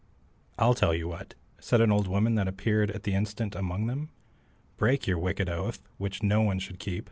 "I'll tell you that," said an old woman that appeared at the instant among them. "Break your wicked oath, which no one should keep.